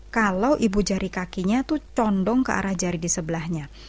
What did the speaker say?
kalau ibu jari kakinya itu condong ke arah jari di sebelahnya